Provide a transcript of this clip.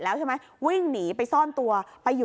พอหลังจากเกิดเหตุแล้วเจ้าหน้าที่ต้องไปพยายามเกลี้ยกล่อม